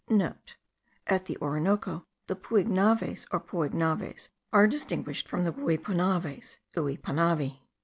(* At the Orinoco the Puignaves, or Poignaves, are distinguished from the Guipunaves (Uipunavi).